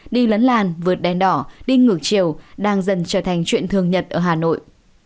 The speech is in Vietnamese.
đi lấn làn vượt đen đỏ đi ngược chiều đang dần trở thành chuyện thương nhật ở hà nội